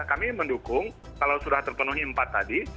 kami mendukung kalau sudah terpenuhi empat tadi